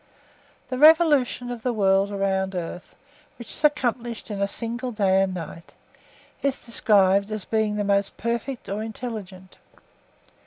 The revolution of the world around earth, which is accomplished in a single day and night, is described as being the most perfect or intelligent.